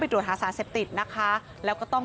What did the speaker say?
โปรดติดตาม